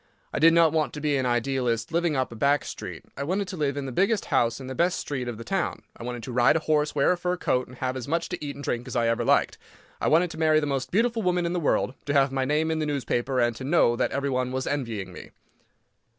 I did not want to be an idealist living up a back street. I wanted to live in the biggest house in the best street of the town. I wanted to ride a horse, wear a fur coat, and have as much to eat and drink as ever I liked. I wanted to marry the most beautiful woman in the world, to have my name in the newspaper, and to know that everybody was envying me.